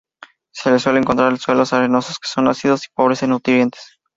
Se le suele encontrar en suelos arenosos, que son ácidos y pobres en nutrientes.